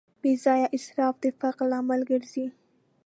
بېځایه اسراف د فقر لامل ګرځي.